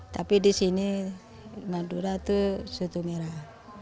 tapi disini madura itu soto merah